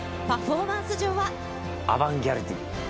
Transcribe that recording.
アバンギャルディ。